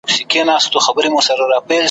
د نقاش په قلم جوړ وو سر ترنوکه `